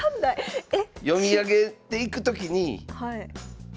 読み上げていくときに。